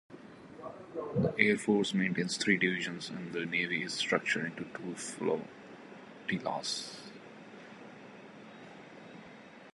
The Air Force maintains three divisions and the Navy is structured into two flotillas.